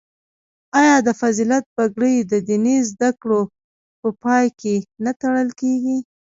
آیا د فضیلت پګړۍ د دیني زده کړو په پای کې نه تړل کیږي؟